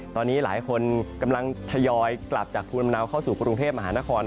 ตอนนี้หลายคนกำลังทยอยกลับจากภูมิลำเนาเข้าสู่กรุงเทพมหานคร